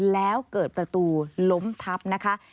แล้วเกิดประตูล้มทับนะคะ